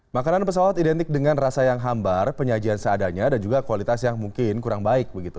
makanan pesawat identik dengan rasa yang hambar penyajian seadanya dan juga kualitas yang mungkin kurang baik begitu